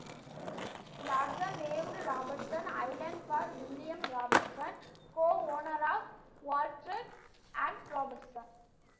Larsen named Robertson Island for William Robertson, co-owner of Woltereck and Robertson.